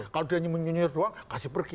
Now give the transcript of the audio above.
kalau dia menyinyir doang kasih pergi